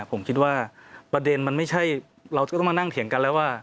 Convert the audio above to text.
ผมคิดว่าประเด็นมันไม่ใช่เราจะต้องมานั่งเถียงกันแล้วว่า